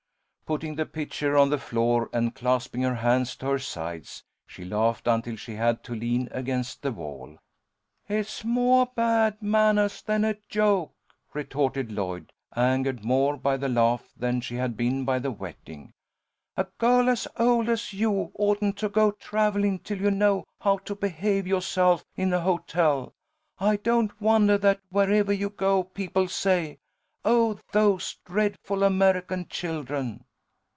Putting the pitcher on the floor and clasping her hands to her sides, she laughed until she had to lean against the wall. "It's moah bad mannahs than a joke!" retorted Lloyd, angered more by the laugh than she had been by the wetting. "A girl as old as you oughtn't to go travellin' till you know how to behave yo'self in a hotel. I don't wondah that wherevah you go people say, 'Oh, those dreadful American children!'"